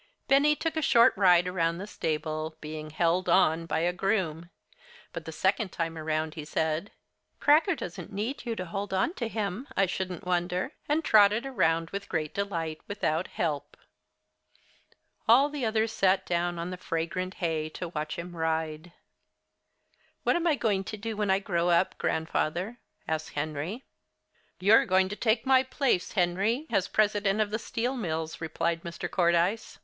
Benny took a short ride around the stable, being "held on" by a groom. But the second time around, he said, "Cracker doesn't need you to hold onto him, I shouldn't wonder," and trotted around with great delight, without help. All the others sat down on the fragrant hay to watch him ride. "What am I going to do when I grow up, Grandfather?" asked Henry. "You're going to take my place, Henry, as president of the steel mills," replied Mr. Cordyce.